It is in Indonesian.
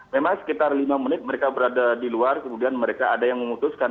memang sekitar lima menit mereka berada di luar kemudian mereka ada yang memutuskan